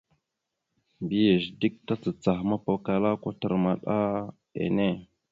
Mbiyez dik tacacah mapakala kwatar maɗa enne.